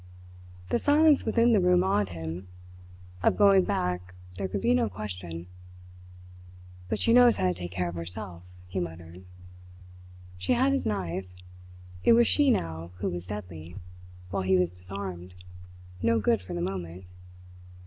The silence within the room awed him. Of going back there could be no question. "But she knows how to take care of her self," he muttered. She had his knife. It was she now who was deadly, while he was disarmed, no good for the moment.